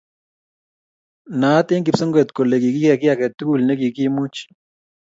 Naat eng' kipsengwet kole kikiyai kiy age tugul ne kikimuch